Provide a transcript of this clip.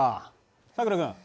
さくら君